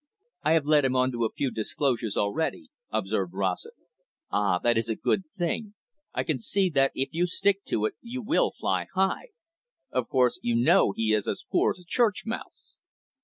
"I have led him on to a few disclosures already," observed Rossett. "Ah, that is good. I can see that if you stick to it, you will fly high. Of course, you know he is as poor as a church mouse."